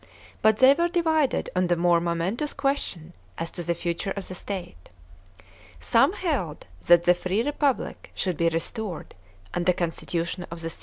But they were divided on the more momentous question as to the future of the state. Some held that the free Republic should be restored and the constitution of the Ca?